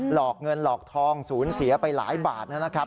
หลอกเงินหลอกทองศูนย์เสียไปหลายบาทนะครับ